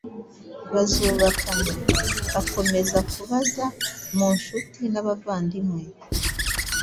bazubakana. Akomeza kubaza mu nshuti n’abavandimwe